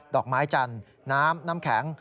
อกไม้จันทร์น้ำน้ำแข็ง